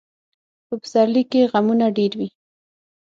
په پسرلي کې غمونه ډېر وي.